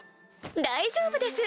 大丈夫です！